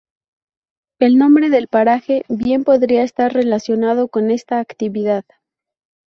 El nombre del paraje bien podría estar relacionado con esta actividad.